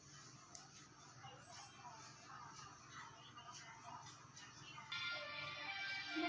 มันบอกโทรศัพท์ไม่มีเงินลุงมีโทรศัพท์ไหม